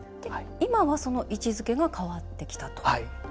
今はその位置づけが変わってきたと。